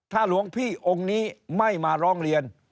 ถ้าหลวงพี่องค์นี้ไม่มาร้องเรียน